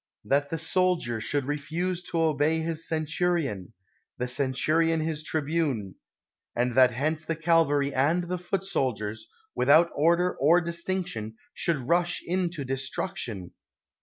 — that the soldier should refuse to obey his centurion; the centurion his tribune ; and that hence the cavalry and the foot soldiers, without order or distinc tion, should rush into destruction